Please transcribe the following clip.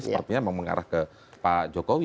sepertinya memang mengarah ke pak jokowi